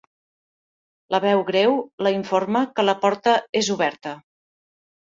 La veu greu la informa que la porta és oberta.